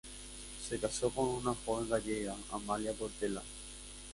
Se casó con una joven gallega, Amalia Portela.